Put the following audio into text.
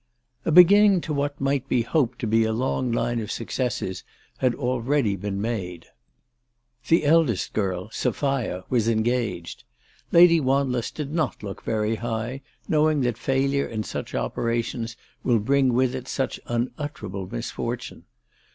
A beginning to what might be hoped to be a long line of successes had already been made. The eldest girl, Sophia, was engaged. Lady Wanless did not look very high, knowing that failure in such opera tions will bring with it such unutterable misfortune.